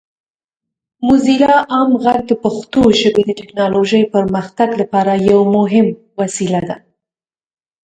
موزیلا عام غږ د پښتو ژبې د ټیکنالوجۍ پرمختګ لپاره یو مهم وسیله ده.